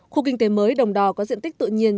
khu kinh tế mới đồng đò có diện tích tự nhiên